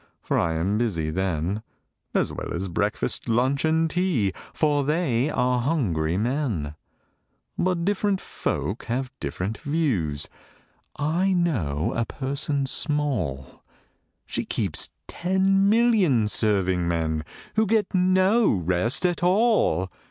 For I am busy then, As well as breakfast, lunch, and tea, For they are hungry men: But different folk have different views: I know a person small She keeps ten million serving men, Who get no rest at all!